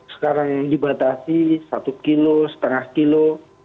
sekarang yang dibatasi satu kilo setengah kilo